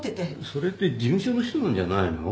それって事務所の人なんじゃないの？